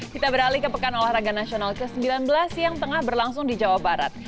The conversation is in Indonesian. kita beralih ke pekan olahraga nasional ke sembilan belas yang tengah berlangsung di jawa barat